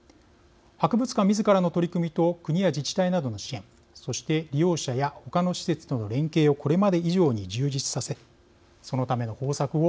博物館みずからの取り組みと国や自治体などの支援そして利用者や他の施設との連携をこれまで以上に充実させそのための方策を